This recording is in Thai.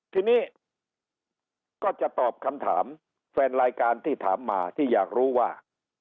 ทีนี้ก็จะตอบคำถามแฟนรายการที่ถามมาที่อยากรู้ว่า